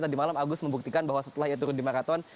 tadi malam agus membuktikan bahwa setelah ia turun di maraton